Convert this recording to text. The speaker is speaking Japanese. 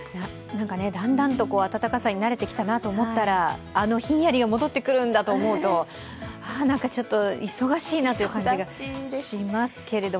だんだんと暖かさに慣れてきたなと思ったら、あのひんやりが戻ってくるんだと思うとあ、何かちょっと忙しいなという感じがしますけど。